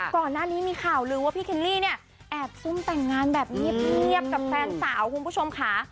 ก่อนหน้านี้มีข่าวลือว่าพี่เคลลี่เนี่ยแอบซุ่มแต่งงานแบบเงียบกับแฟนสาวคุณผู้ชมค่ะ